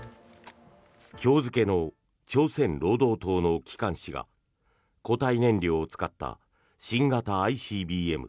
今日付の朝鮮労働党の機関紙が固体燃料を使った新型ＩＣＢＭ